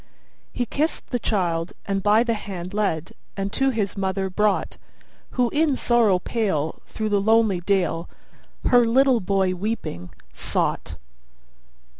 He kissed the child, and by the hand led, And to his mother brought, Who in sorrow pale, through the lonely dale, Her little boy weeping sought.